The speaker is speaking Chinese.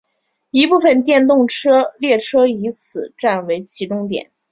一部分电动列车以此站为起终点。